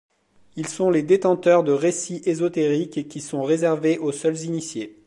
Ils sont les détenteurs de récits ésotériques qui sont réservés aux seuls initiés.